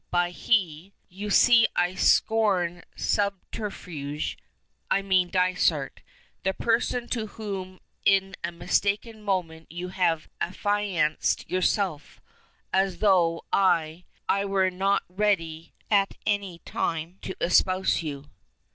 By he you see I scorn subterfuge I mean Dysart, the person to whom in a mistaken moment you have affianced yourself, as though I I were not ready at any time to espouse you."